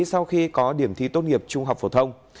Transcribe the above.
sau khi có điểm thi tốt nghiệp trung học phổ thông